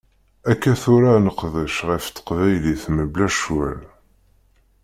Akka tura ad neqdec ɣef teqbaylit mebla ccwal.